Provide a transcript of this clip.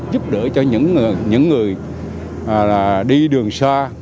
giúp đỡ cho những người đi đường xa